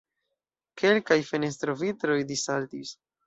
Kelkaj fenestrovitroj dissaltis.